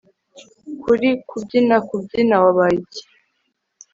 Kuri kubyinakubyina wabaye iki